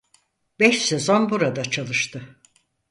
Beş sezon burada çalıştı.